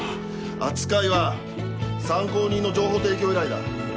扱いは参考人の情報提供依頼だ。